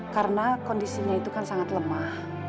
karena kondisinya itu kan sangat lemah